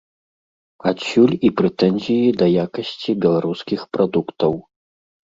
Адсюль і прэтэнзіі да якасці беларускіх прадуктаў.